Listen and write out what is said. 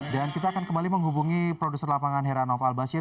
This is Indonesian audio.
dan kita akan kembali menghubungi produser lapangan heranoff al basir